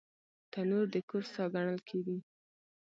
تنور د کور ساه ګڼل کېږي